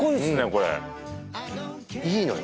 これいいのよ